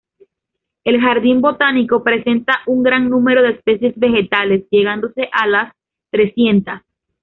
El jardín botánico presenta un gran número de especies vegetales llegándose a las trescientas.